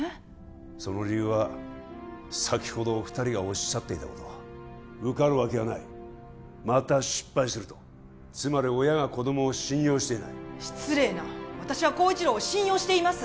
その理由は先ほどお二人がおっしゃっていたこと「受かるわけがない」「また失敗する」とつまり親が子供を信用していない失礼な私は晃一郎を信用しています！